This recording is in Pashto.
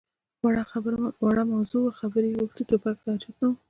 _وړه موضوع وه، خبرې يې غوښتې. ټوپک ته حاجت نه و.